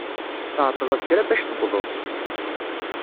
Tɛeṭṭleḍ kra bac tewwḍeḍ-d.